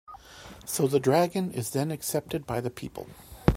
So the dragon is then accepted by the people.